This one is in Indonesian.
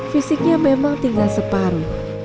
fisiknya memang tinggal separuh